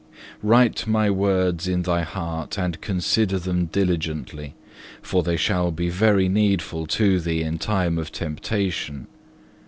5. "Write My words in thy heart and consider them diligently, for they shall be very needful to thee in time of temptation.